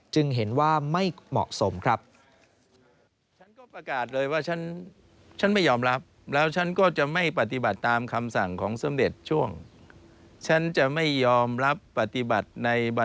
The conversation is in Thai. จึงเห็นว่าไม่เหมาะสมครับ